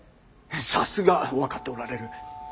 さすが分かっておられる。